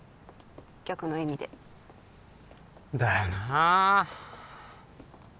逆の意味でだよなあ